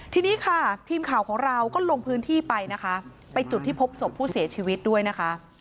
ทีนี้ค่ะทีมข่าวของเราก็ลงพื้นที่ไปนะคะไปจุดที่พบศพผู้เสียชีวิตด้วยนะคะ